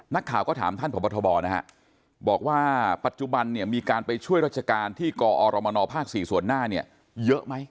นักข่าวก็ถามท่านพบทบนะฮะบอกว่าปัจจุบันเนี่ยมีการไปช่วยราชการที่กอรมนภ๔ส่วนหน้าเนี่ยเยอะไหม